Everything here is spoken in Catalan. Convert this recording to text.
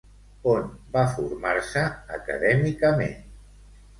On va formar-se acadèmicament?